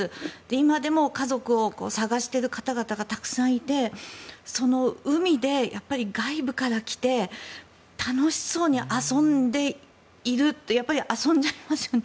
今でも家族を捜している方々がたくさんいてその海で外部から来て楽しそうに遊んでいるやっぱり遊んじゃいますよね。